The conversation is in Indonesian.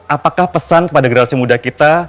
apakah pesan kepada generasi muda kita